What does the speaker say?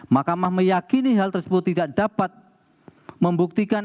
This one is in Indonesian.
mahkamah meyakini hal tersebut tidak dapat membuktikan